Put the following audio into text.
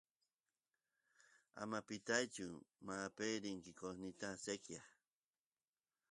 ama pitaychu manape rinki qosnita sekyay